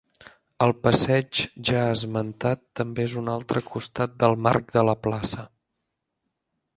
El passeig ja esmentat també és un altre costat del marc de la plaça.